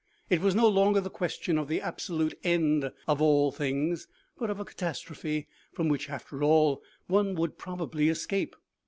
It was no longer the question of the absolute end of all things, but of a catastrophe, from which, after all, one would probably escape.